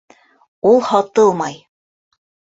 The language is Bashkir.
Ул һатылмай!